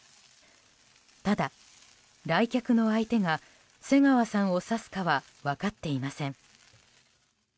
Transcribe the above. ただ来客の相手が瀬川さんを指すかは分かっていません。